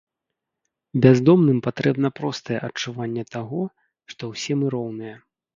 Бяздомным патрэбна простае адчуванне таго, што ўсе мы роўныя.